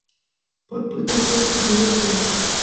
Поп ӱдыр ден Кугуяр каят.